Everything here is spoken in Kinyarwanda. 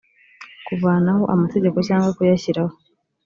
kuvanaho amategeko cyangwa kuyashyiraho